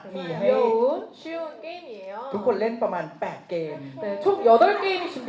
มีให้รู้ทุกคนเล่นประมาณ๘เกม